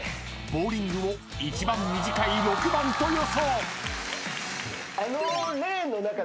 ［ボウリングを一番短い６番と予想］